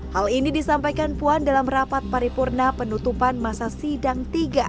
hal ini disampaikan puan dalam rapat paripurna penutupan masa sidang tiga